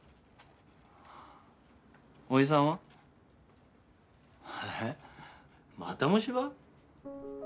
伯父さんは？えっ？また虫歯？